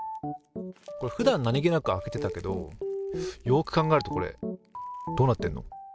これふだん何気なく開けてたけどよく考えるとこれどうなってるの？